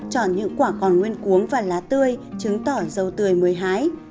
chọn những quả còn nguyên cuống và lá tươi chứng tỏ dâu tươi mới hái